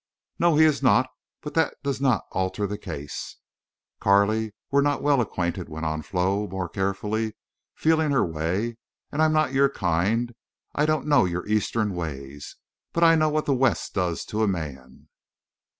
"No, he is not. But that does not alter the case." "Carley, we're not well acquainted," went on Flo, more carefully feeling her way, "and I'm not your kind. I don't know your Eastern ways. But I know what the West does to a man.